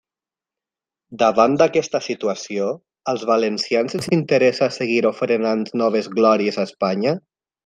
Davant d'aquesta situació, ¿als valencians ens interessa seguir ofrenant noves glòries a Espanya?